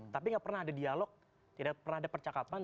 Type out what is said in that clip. tapi nggak pernah ada dialog tidak pernah ada percakapan